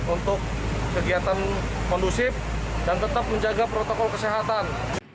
untuk kegiatan kondusif dan tetap menjaga protokol kesehatan